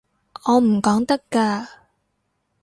我唔講得㗎